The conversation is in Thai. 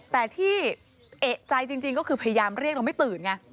แต่ที่เอกใจจริงก็คือพยายามเรียกเราไม่ตื่นไง